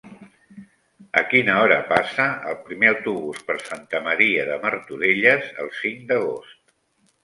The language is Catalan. A quina hora passa el primer autobús per Santa Maria de Martorelles el cinc d'agost?